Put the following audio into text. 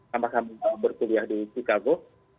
sama sama bersuliah di chicago